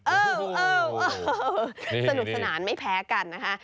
สนุกสนานไม่แพ้กันนะคะ